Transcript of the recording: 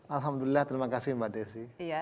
alhamdulillah terima kasih mbak desi